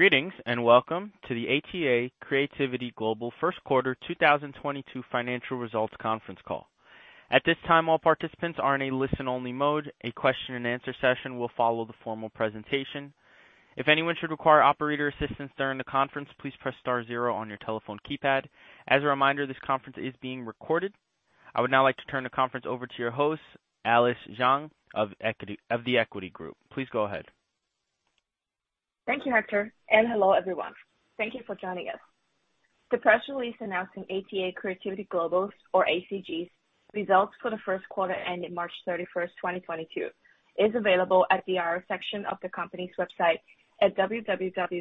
Greetings and welcome to the ATA Creativity Global First Quarter 2022 Financial Results conference call. At this time, all participants are in a listen-only mode. A question and answer session will follow the formal presentation. If anyone should require operator assistance during the conference, please press star zero on your telephone keypad. As a reminder, this conference is being recorded. I would now like to turn the conference over to your host, Alice Zhang of The Equity Group. Please go ahead. Thank you, Hector, and hello everyone. Thank you for joining us. The press release announcing ATA Creativity Global or ACG results for the first quarter ending March 31st, 2022, is available at the IR section of the company's website at www.atai.net.cn.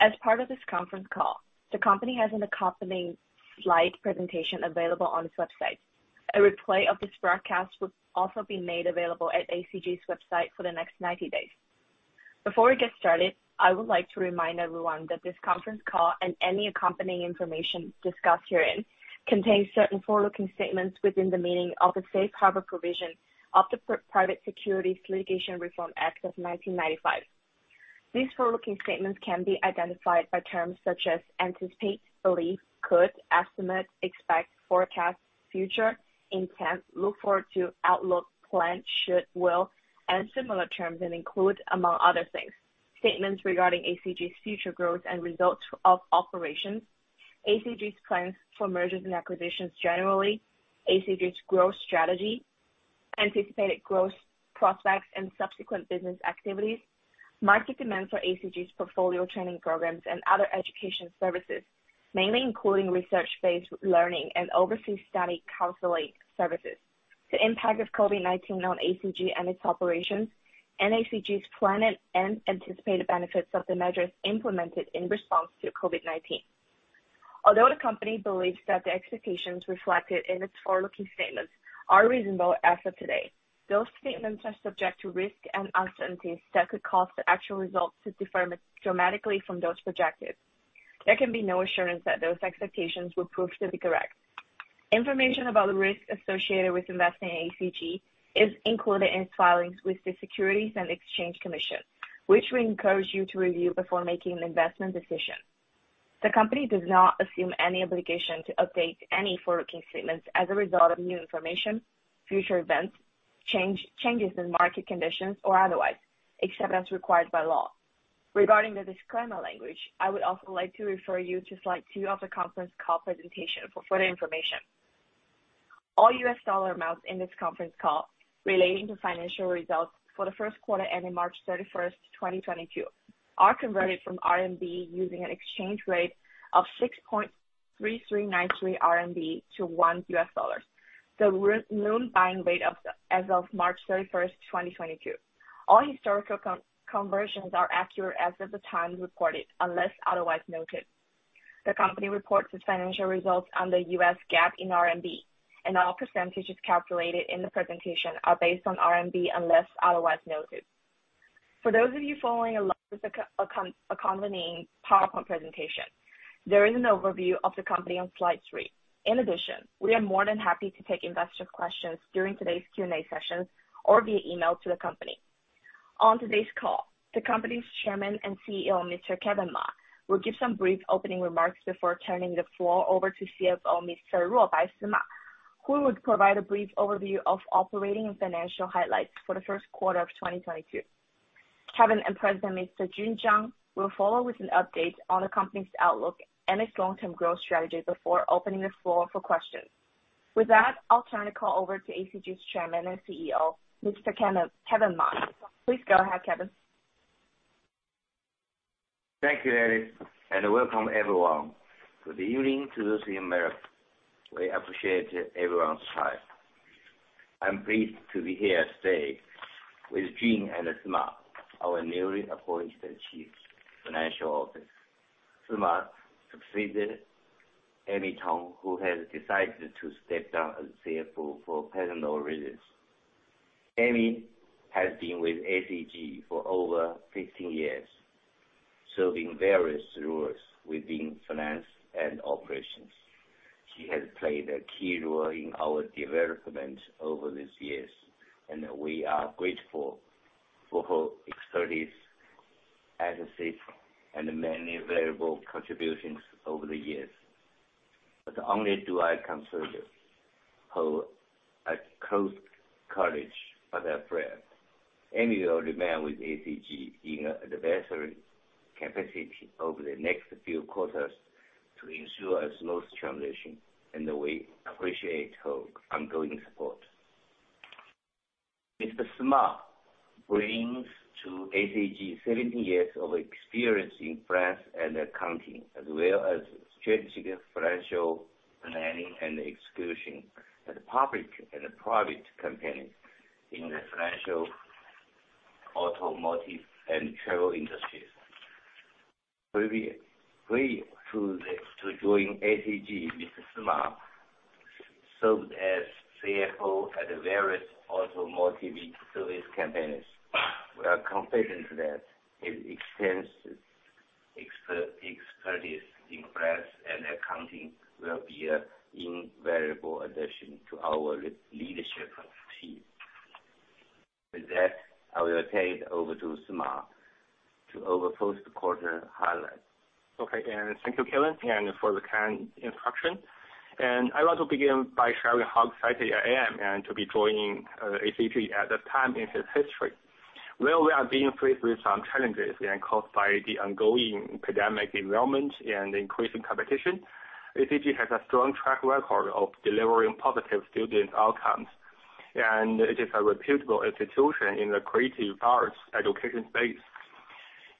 As part of this conference call, the company has an accompanying slide presentation available on its website. A replay of this broadcast will also be made available at ACG's website for the next 90 days. Before we get started, I would like to remind everyone that this conference call and any accompanying information discussed herein contains certain forward-looking statements within the meaning of the Safe Harbor provision of the Private Securities Litigation Reform Act of 1995. These forward-looking statements can be identified by terms such as anticipate, believe, could, estimate, expect, forecast, future, intent, look forward to, outlook, plan, should, will, and similar terms, and include, among other things, statements regarding ACG's future growth and results of operations, ACG's plans for mergers and acquisitions generally, ACG's growth strategy, anticipated growth prospects and subsequent business activities, market demand for ACG's portfolio training programs and other education services, mainly including research-based learning and overseas study counseling services, the impact of COVID-19 on ACG and its operations, and ACG's plan and anticipated benefits of the measures implemented in response to COVID-19. Although the company believes that the expectations reflected in its forward-looking statements are reasonable as of today, those statements are subject to risks and uncertainties that could cause the actual results to differ dramatically from those projected. There can be no assurance that those expectations will prove to be correct. Information about the risks associated with investing in ACG is included in its filings with the Securities and Exchange Commission, which we encourage you to review before making an investment decision. The company does not assume any obligation to update any forward-looking statements as a result of new information, future events, changes in market conditions or otherwise except as required by law. Regarding the disclaimer language, I would also like to refer you to slide two of the conference call presentation for further information. All U.S. dollar amounts in this conference call relating to financial results for the first quarter ending March 31, 2022, are converted from RMB using an exchange rate of 6.3393 RMB to 1 U.S. dollar, the noon buying rate as of March 31st, 2022. All historical conversions are accurate as of the time reported unless otherwise noted. The company reports its financial results under U.S. GAAP in RMB, and all percentages calculated in the presentation are based on RMB, unless otherwise noted. For those of you following along with the accompanying PowerPoint presentation, there is an overview of the company on slide three. In addition, we are more than happy to take investor questions during today's Q&A session or via email to the company. On today's call, the company's chairman and CEO, Mr. Kevin Ma will give some brief opening remarks before turning the floor over to CFO, Mr. Ruobai Sima, who will provide a brief overview of operating and financial highlights for the first quarter of 2022. Kevin and President Mr. Jun Zhang will follow with an update on the company's outlook and its long-term growth strategy before opening the floor for questions. With that, I'll turn the call over to ACG's chairman and CEO, Kevin Ma. Please go ahead, Kevin. Thank you, Alice, and welcome, everyone. Good evening to those in America. We appreciate everyone's time. I'm pleased to be here today with Jun and Sima, our newly appointed Chief Financial Officer. Sima succeeded Amy Tong who has decided to step down as CFO for personal reasons. Amy has been with ACG for over 15 years serving various roles within finance and operations. She has played a key role in our development over these years, and we are grateful for her expertise as a CFO, and the many valuable contributions over the years. Not only do I consider her a close colleague but a friend. Amy will remain with ACG in an advisory capacity over the next few quarters to ensure a smooth transition and we appreciate her ongoing support. Mr. Sima brings to ACG 17 years of experience in finance and accounting, as well as strategic financial planning and execution at public and private companies in the financial, automotive, and travel industries. Prior to joining ACG, Mr. Sima served as CFO at various automotive service companies. We are confident that his extensive expertise in finance and accounting will be an invaluable addition to our leadership team. With that, I will turn it over to Sima to cover first quarter highlights. Okay. Thank you, Kevin, and for the kind introduction. I want to begin by sharing how excited I am to be joining ACG at this time in its history where we are being faced with some challenges caused by the ongoing pandemic, enrollment, and increasing competition. ACG has a strong track record of delivering positive student outcomes and it is a reputable institution in the creative arts education space.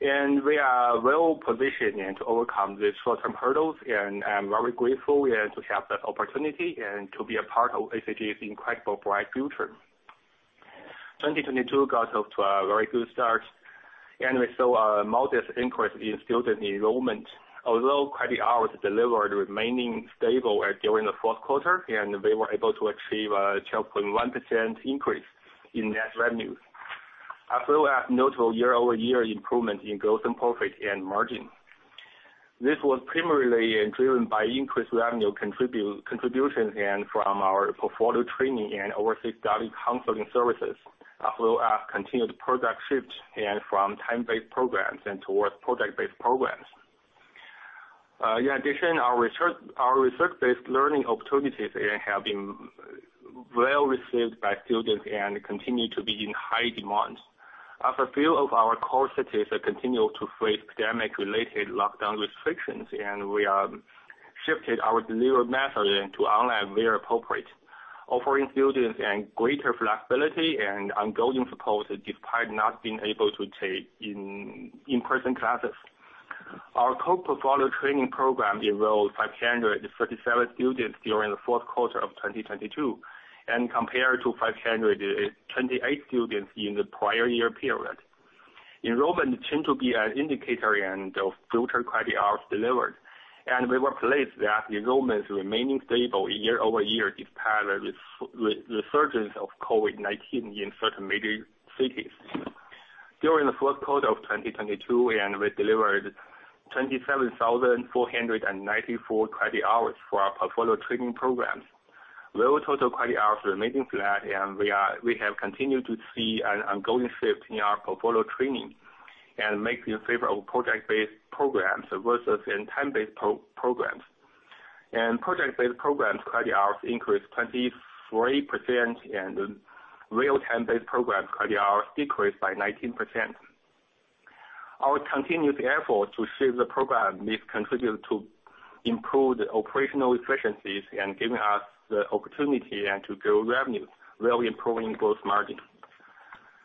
We are well-positioned to overcome the short-term hurdles, and I'm very grateful to have that opportunity, and to be a part of ACG's incredibly bright future. 2022 got off to a very good start and we saw a modest increase in student enrollment. Although credit hours delivered remaining stable during the fourth quarter and we were able to achieve a 12.1% increase in net revenues. As well as notable year-over-year improvement in gross profit margin. This was primarily driven by increased revenue contributions from our portfolio training and overseas study counseling services, as well as continued product shift, and from time-based programs and towards project-based programs. In addition, our research-based learning opportunities have been well-received by students and continue to be in high demand. As a few of our core cities continue to face pandemic-related lockdown restrictions, and we have shifted our delivery method to online where appropriate, offering students greater flexibility and ongoing support despite not being able to take in-person classes. Our total portfolio training program enrolled 537 students during the fourth quarter of 2022 and compared to 528 students in the prior year period. Enrollment tends to be an indicator of future credit hours delivered, and we were pleased that enrollments remaining stable year-over-year, despite a resurgence of COVID-19 in certain major cities. During the fourth quarter of 2022, we delivered 27,494 credit hours for our portfolio training programs. Total credit hours remaining flat and we have continued to see an ongoing shift in our portfolio training in favor of project-based programs versus time-based programs. Project-based programs credit hours increased 23% and realtime-based programs credit hours decreased by 19%. Our continuous effort to shift the program has contributed to improved operational efficiencies and giving us the opportunity to grow revenues while improving gross margin.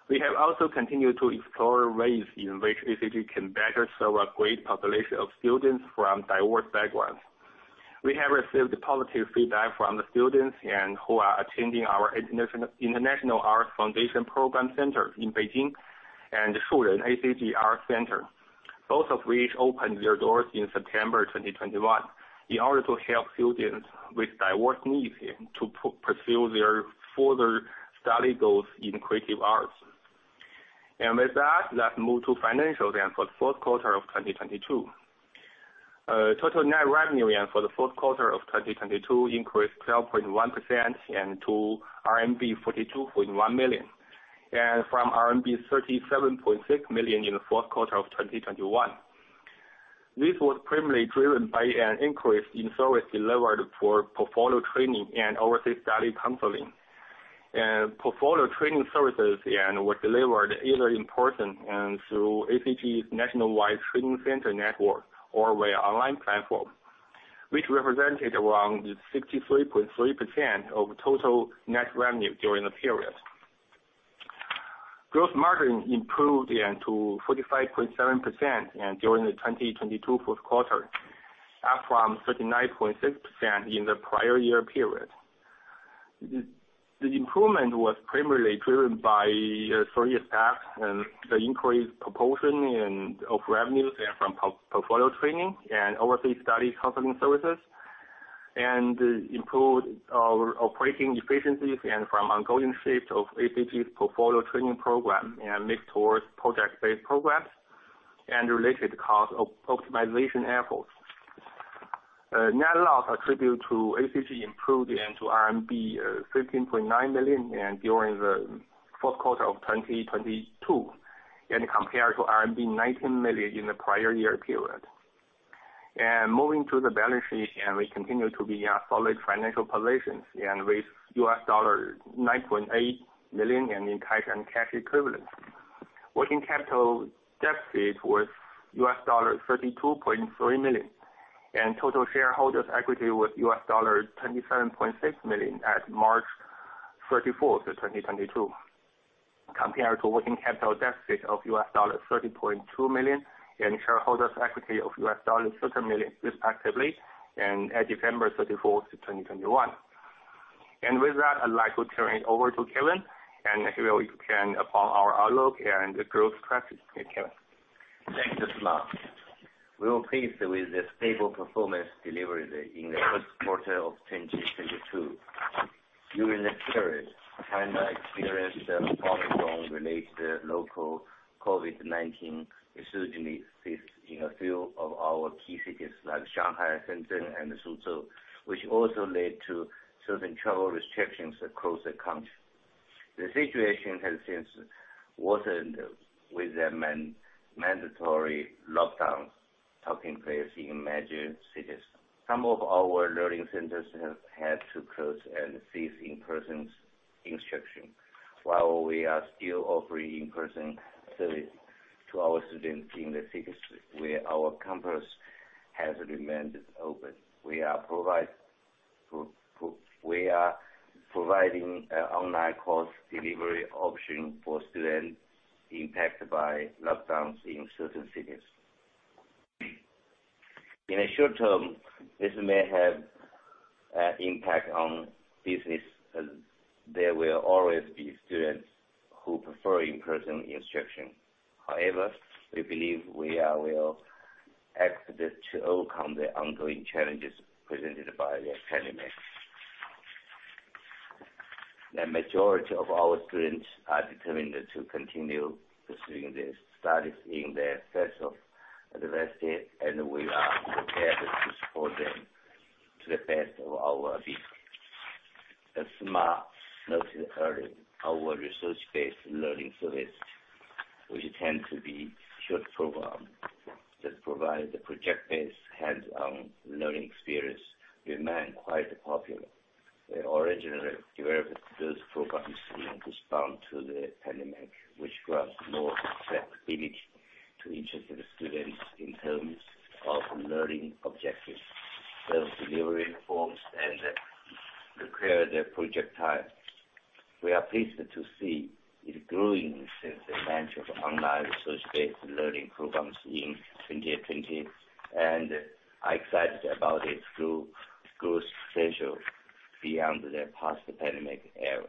We have also continued to explore ways in which ACG can better serve a great population of students from diverse backgrounds. We have received positive feedback from the students who are attending our International Arts Foundation Program Center in Beijing and Shuren-ACG Arts Center. Both of which opened their doors in September 2021 in order to help students with diverse needs to pursue their further study goals in creative arts. With that, let's move to financials for the fourth quarter of 2022. Total net revenue for the fourth quarter of 2022 increased 12.1% to RMB 42.1 million from RMB 37.6 million in the fourth quarter of 2021. This was primarily driven by an increase in services delivered for portfolio training and overseas study counseling. Portfolio training services were delivered either in person through ACG's nationwide training center network or via online platform, which represented around 63.3% of total net revenue during the period. Gross margin improved to 45.7% during the 2022 fourth quarter, up from 39.6% in the prior year period. The improvement was primarily driven by a series of tax and the increased proportion of revenues from portfolio training and overseas study counseling services. Improved our operating efficiencies from ongoing shift of ACG's portfolio training program mix towards project-based programs and related cost optimization efforts. Net loss attributable to ACG improved to RMB 15.9 million during the fourth quarter of 2022 compared to RMB 19 million in the prior year period. Moving to the balance sheet, we continue to be in a solid financial position with $9.8 million in cash and cash equivalents. Working capital deficit was $32.3 million and total shareholders' equity was $27.6 million at March 31st of 2022. Compared to working capital deficit of $30.2 million and shareholders' equity of $13 million respectively at December 31st of 2021. With that, I'd like to turn it over to Kevin and he will expand upon our outlook and growth strategies. Kevin? Thank you, Sima. We are pleased with the stable performance delivered in the first quarter of 2022. During this period, China experienced a strong related local COVID-19 resurgence in a few of our key cities like Shanghai, Shenzhen and Suzhou, which also led to certain travel restrictions across the country. The situation has since worsened with the mandatory lockdowns taking place in major cities. Some of our learning centers have had to close and cease in-person instruction while we are still offering in-person service to our students in the cities where our campus has remained open. We are providing online course delivery options for students impacted by lockdowns in certain cities. In the short term, this may have an impact on business as there will always be students who prefer in-person instruction. However, we believe we are well-positioned to overcome the ongoing challenges presented by the pandemic. The majority of our students are determined to continue pursuing their studies in their personal capacity and we are prepared to support them to the best of our ability. As Sima noted earlier, our research-based learning service, which tend to be short programs that provide the project-based hands-on learning experience remain quite popular. We originally developed those programs in response to the pandemic, which grants more flexibility to interested students in terms of learning objectives, the delivery forms, and the required project time. We are pleased to see it growing since the launch of online research-based learning programs in 2020 and are excited about its growth potential beyond the post-pandemic era.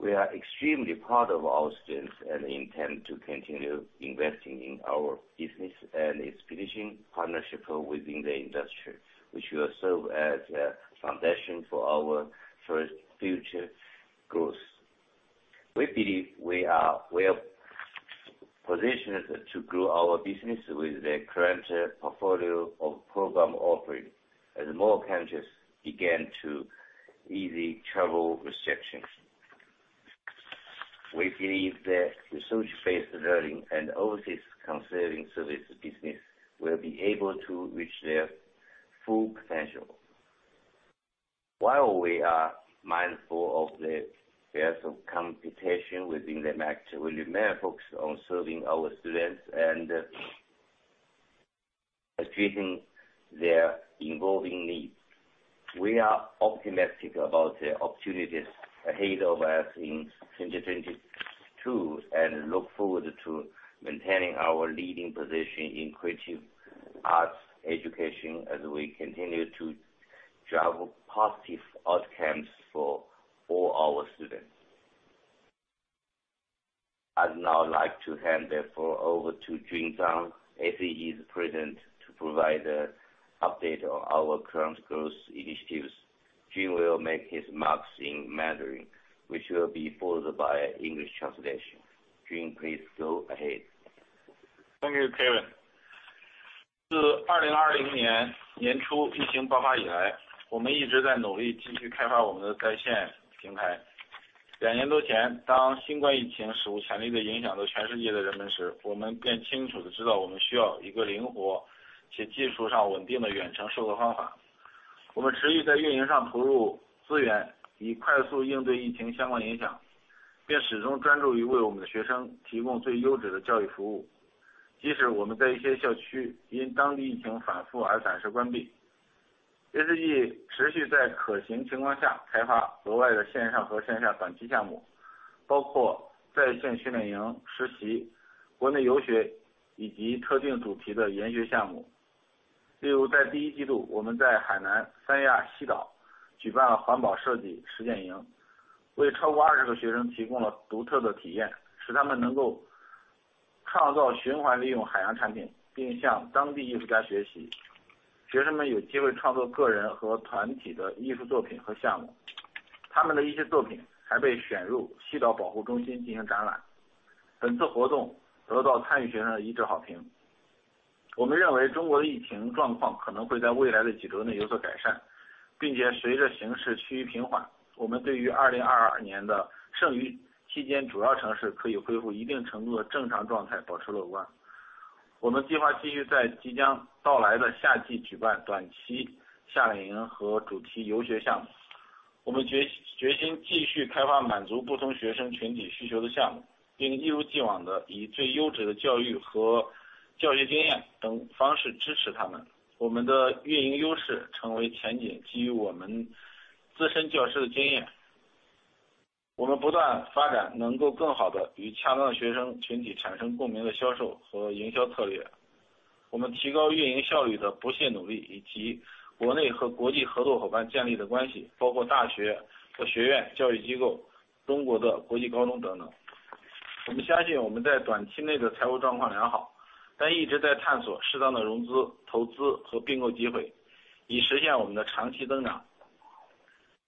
We are extremely proud of our students and intend to continue investing in our business and its positioning partnership within the industry, which will serve as a foundation for our future growth. We believe we are well-positioned to grow our business with the current portfolio of program offerings as more countries begin to ease travel restrictions. We believe that research-based learning and overseas counseling service business will be able to reach their full potential. While we are mindful of the fears of competition within the market, we remain focused on serving our students and addressing their evolving needs. We are optimistic about the opportunities ahead of us in 2022 and look forward to maintaining our leading position in creative arts education as we continue to drive positive outcomes for all our students. I'd now like to hand the floor over to Jun Zhang, ACG's President, to provide an update on our current growth initiatives. Jun will make his remarks in Mandarin, which will be followed by English translation. Jun, please go ahead.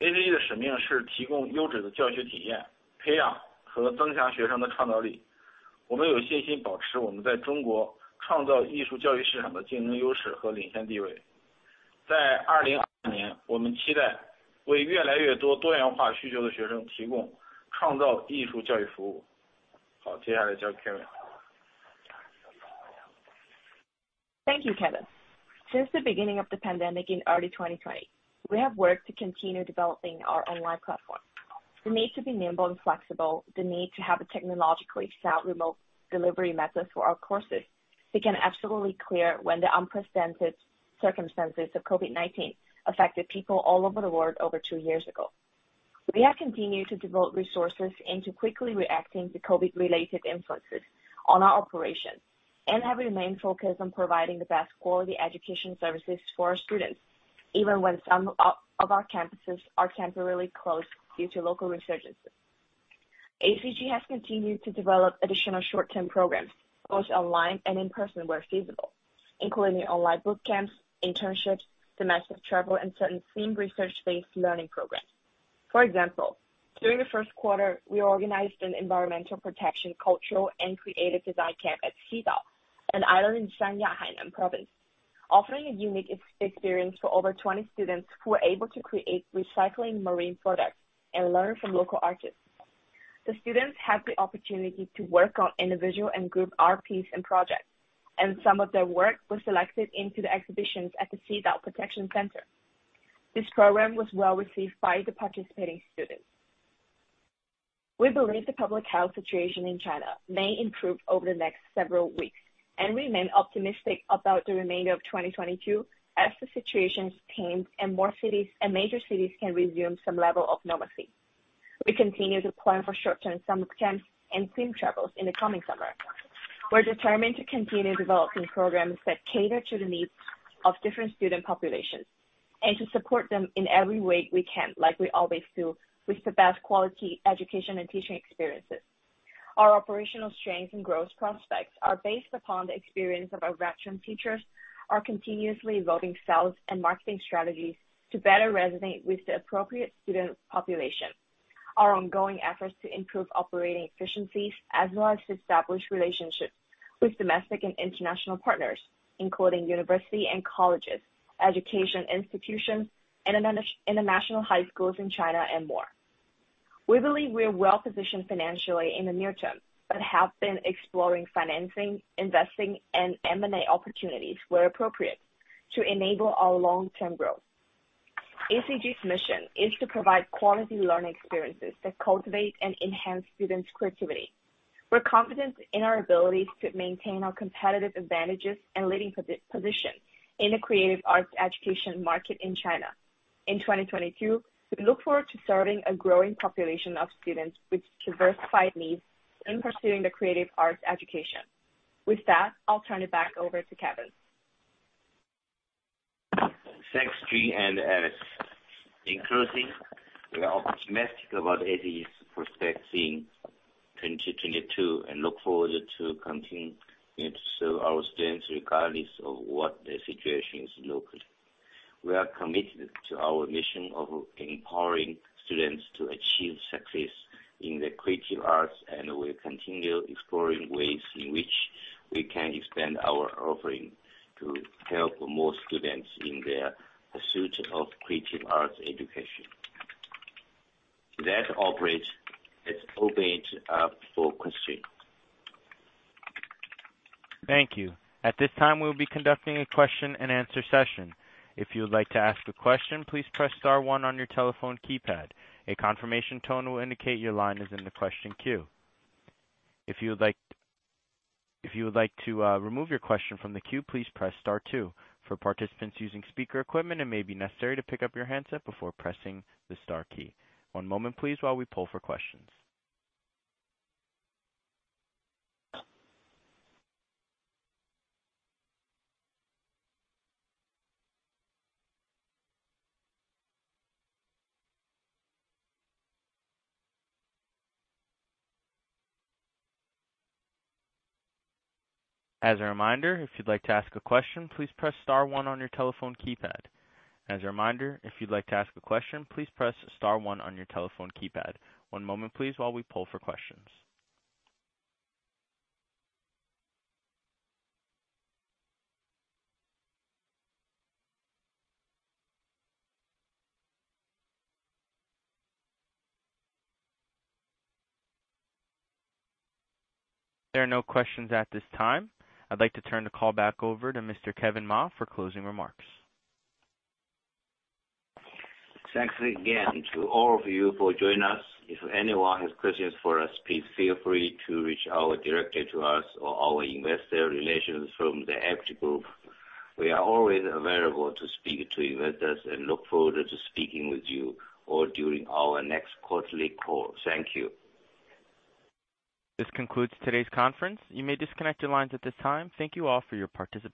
Thank you, Kevin. Since the beginning of the pandemic in early 2023, we have worked to continue developing our online platform, the need to be nimble and flexible, the need to have a technologically sound remote delivery method for our customer became absolutely clear when the unprecedented circumstances of COVID-19 affected all the people in the world over two years ago. We have continued to develop resources and to quickly reacting to COVID related influxes on our operation and have remained focused on providing the best quality education services for our students even if some of our campuses are temporary closed due to local resurgences. ACG has continued to develop additional short term programs, courses online, and in person with our students including online book camps, internships, domestic travel, and certain theme research based learning programs. For example, during the first quarter, we organized an environmental protection cultural and creative design cap at Suzhou at Hunan province offering a unique experience for over 20 students who are able to create recycling marine products and learn from local artists. The students have the opportunity to work out individual and group art piece and project. Some of their work were selected into the exhibition at the CSO Marine Protection Center. This program was well received by the participating students. We believe the public health situation in China may improve over the next several weeks and remain optimistic about the remainder of 2022 as the situation's tamed and major cities can resume some level of normalcy. We continue to plan for short-term summer camps and theme travels in the coming summer. We're determined to continue developing programs that cater to the needs of different student populations, and to support them in every way we can like we always do, with the best quality education and teaching experiences. Our operational strength and growth prospects are based upon the experience of our veteran teachers, our continuously evolving sales and marketing strategies to better resonate with the appropriate student population. Our ongoing efforts to improve operating efficiencies as well as to establish relationships with domestic and international partners, including universities and colleges, education institutions, and international high schools in China and more. We believe we are well-positioned financially in the near term, but have been exploring financing, investing, and M&A opportunities where appropriate to enable our long-term growth. ACG's mission is to provide quality learning experiences that cultivate and enhance students' creativity. We're confident in our ability to maintain our competitive advantages and leading position in the creative arts education market in China. In 2022, we look forward to serving a growing population of students with diversified needs in pursuing the creative arts education. With that, I'll turn it back over to Kevin. Thanks, Jun and Alice. In closing, we are optimistic about ACG's prospects in 2022 and look forward to continuing to serve our students regardless of what the situation is locally. We are committed to our mission of empowering students to achieve success in the creative arts and we'll continue exploring ways in which we can expand our offering to help more students in their pursuit of creative arts education. With that, operator, let's open it for questions. Thank you. At this time, we'll be conducting a question and answer session. If you would like to ask a question, please press star one on your telephone keypad. A confirmation tone will indicate your line is in the question queue. If you would like to remove your question from the queue, please press star two. For participants using speaker equipment, it may be necessary to pick up your handset before pressing the star key. One moment, please, while we pull for questions. As a reminder, if you'd like to ask a question, please press star one on your telephone keypad. As a reminder, if you'd like to ask a question, please press star one on your telephone keypad. One moment, please, while we pull for questions. There are no questions at this time. I'd like to turn the call back over to Mr. Kevin Ma for closing remarks. Thanks again to all of you for joining us. If anyone has questions for us, please feel free to reach out directly to us or our investor relations from The Equity Group. We are always available to speak to investors and look forward to speaking with you or during our next quarterly call. Thank you. This concludes today's conference. You may disconnect your lines at this time. Thank you all for your participation.